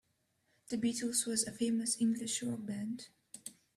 The Beatles was a famous English rock band.